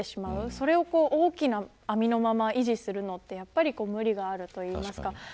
それを大きな網のまま維持するのはやはり無理があるといいますか。